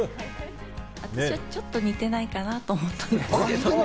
私はちょっと似てないかなと思ったんですけど。